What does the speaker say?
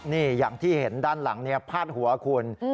นี่อย่างที่เห็นด้านหลังพาดหัวคุณ